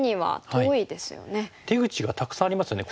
出口がたくさんありますよね。